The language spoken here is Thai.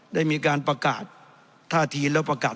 ได้มีการประกาศ